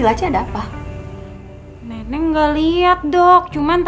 bebek tidak perlu